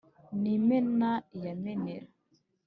ni imena iyamenera